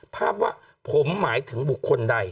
ภาพว่าผมหมายถึงบุคคลใด